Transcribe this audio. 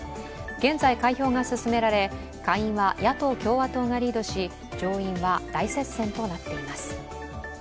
現在、開票が進められ、下院は野党・共和党がリードし、上院は大接戦となっています。